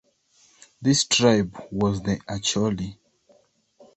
This tribe was the Acholi.